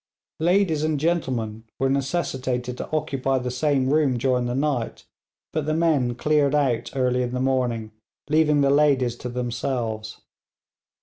Ladies and gentlemen were necessitated to occupy the same room during the night, but the men 'cleared out' early in the morning, leaving the ladies to themselves.